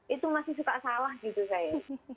itu masih suka salah gitu saya